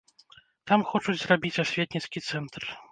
Там хочуць зрабіць асветніцкі цэнтр.